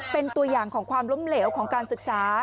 เป็นตัวอย่างของความล้มเหลวของการศึกษา